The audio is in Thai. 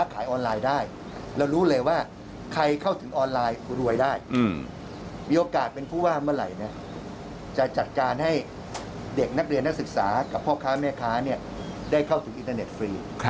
ใครเข้าถึงออนไลน์ก็รวยได้มีโอกาสเป็นผู้ว่าเมื่อไหร่จะจัดการให้เด็กนักเรียนนักศึกษากับพ่อค้าแม่ค้าได้เข้าถึงอินเตอร์เน็ตฟรี